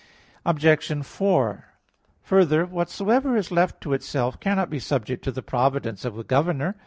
Obj. 4: Further, whatsoever is left to itself cannot be subject to the providence of a governor.